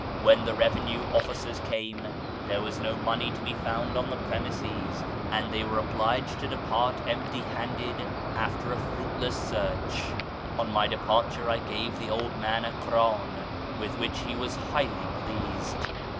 When the revenue officers came, there was no money to be found on the premises, and they were obliged to depart empty handed after a fruitless search. On my departure I gave the old man a krdn, with which he was highly pleased.